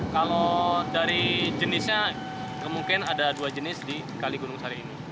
kalau dari jenisnya mungkin ada dua jenis di kali gunung sari ini